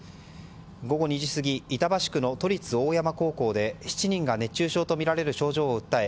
午後２時過ぎ板橋区の都立大山高校で７人が熱中症とみられる症状を訴え